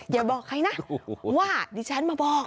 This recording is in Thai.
อย่าบอกใครนะว่าดิฉันมาบอก